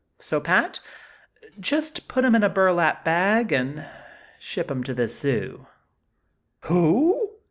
"So, Pat, just put him in a burlap bag and ship him to this zoo." "Who?